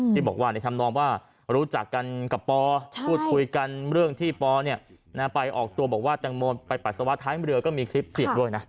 ที่บอกว่าในธรรมนองว่ารู้จักกันกับปอพูดคุยกันเรื่องที่ปอไปออกตัวบอกว่าแตงโมไปปัสสาวะท้ายเรือก็มีคลิปเสียงด้วยนะ